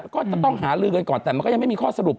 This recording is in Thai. ก็จะต้องหาลือกันก่อนแต่มันก็ยังไม่มีข้อสรุป